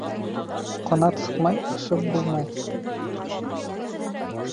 Ҡанат сыҡмай осоп булмай.